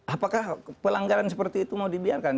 apakah pelanggaran seperti itu mau dibiarkan